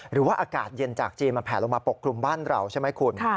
หรือว่าอากาศเย็นจากจีนมันแผลลงมาปกคลุมบ้านเราใช่ไหมคุณ